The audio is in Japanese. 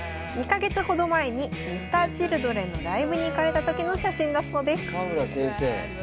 ２か月ほど前にＭｒ．Ｃｈｉｌｄｒｅｎのライブに行かれた時の写真だそうです。